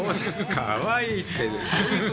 かわいいって。